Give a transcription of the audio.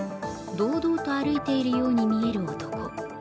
堂々と歩いているように見える男。